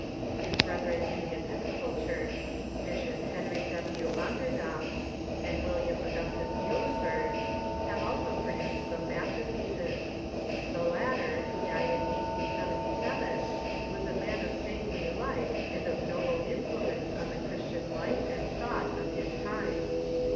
His bretbren in the E])iscoi)al Churcb, Bisbop Henry W. On derdonk and William Augustus jNIublenberg, bave also pro duced some masterpieces. Tbe latter, wbo died in 1877, was a man of saintly life and of noble influence on tbe Cbristian life and tbougbt of bis time.